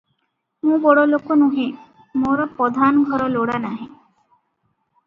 ମୁଁ ବଡ଼ଲୋକ ନୁହେଁ; ମୋର ପଧାନଘର ଲୋଡ଼ା ନାହିଁ ।